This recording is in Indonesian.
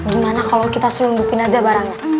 gimana kalau kita selundupin aja barangnya